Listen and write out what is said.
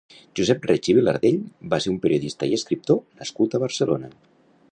Josep Reig i Vilardell va ser un periodista i escriptor nascut a Barcelona.